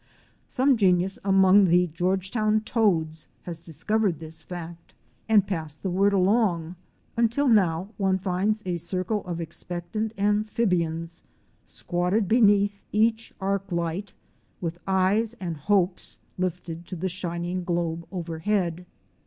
Some genius among the Georgetown toads has discovered this fact and passed the word along, until now one finds a circle of expectant amphib ians squatted beneath each arc light, with eyes and hopes lifted to the shining globe overhead.